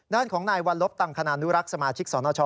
ด้านของนายวัลลบตังคณานุรักษ์สมาชิกสนช